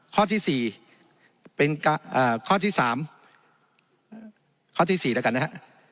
ข้อที่๔เป็นข้อที่๓ข้อที่๔แล้วกันนะฮะ